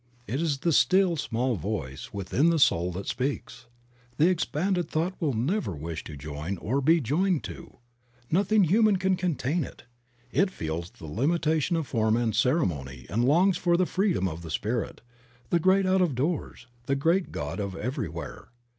It is the "Still, small voice" within the soul that speaks. The expanded thought will never wish to join or be joined to. Nothing human can contain it. It feels the limitation of form and ceremony and longs for the freedom of the Spirit, the great out of doors, the Great God of the everywhere.